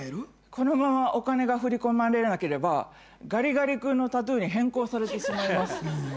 「このままお金が振り込まれなければガリガリ君のタトゥーに変更されてしまいます」